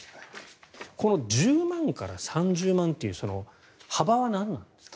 この１０万から３０万という幅は何なんですか？